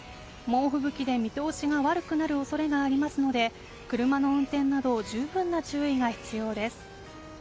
猛吹雪で見通しが悪くなる恐れがありますので車の運転など十分な注意が必要です。